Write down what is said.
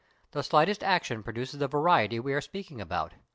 The slightest action produces the variety we are speaking about.